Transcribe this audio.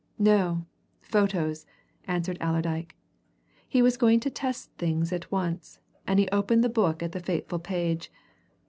"No. Photos," answered Allerdyke. He was going to test things at once, and he opened the book at the fateful page.